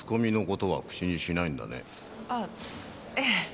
あぁええ。